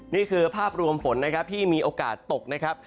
นี่คือภาพรวมฝนนะครับที่มีโอกาสตกนะครับ